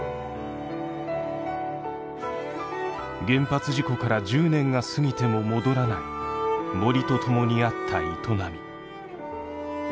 原発事故から１０年が過ぎても戻らない森と共にあった営み。